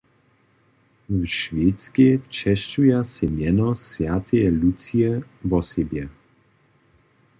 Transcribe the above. W Šwedskej česćuja sej mjeno swjateje Lucije wosebje.